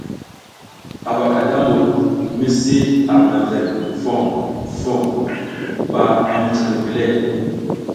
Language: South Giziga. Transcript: A ɓaka da mbur mi si ar mewel foh foh ɓa a mucah mewele.